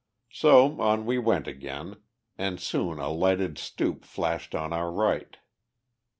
So on we went again, and soon a lighted stoop flashed on our right.